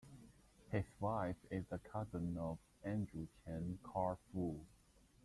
His wife is the cousin of Andrew Cheng Kar Foo.